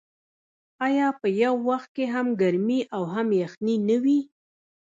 آیا په یو وخت کې هم ګرمي او هم یخني نه وي؟